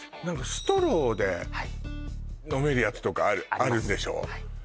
ストローで飲めるやつとかあるんでしょあります